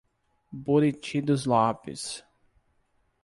Buriti dos Lopes